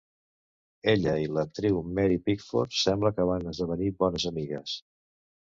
Ella i l'actriu Mary Pickford sembla que van esdevenir bones amigues.